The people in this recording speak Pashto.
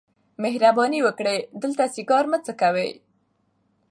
مهرباني وکړئ دلته سیګار مه څکوئ.